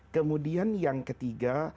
kemudian yang ketiga